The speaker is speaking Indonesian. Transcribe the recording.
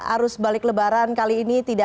arus balik lebaran kali ini tidak